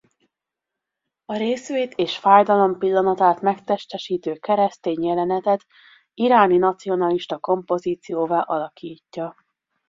A részvét és fájdalom pillanatát megtestesítő keresztény jelenetet iráni nacionalista kompozícióvá alakítja.